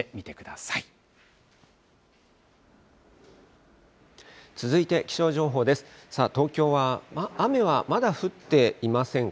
さあ、東京は雨はまだ降っていませんか？